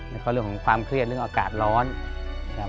แล้วก็เรื่องของความเครียดเรื่องอากาศร้อนนะครับ